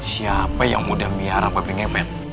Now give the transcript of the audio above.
siapa yang mudah miarah babi ngepet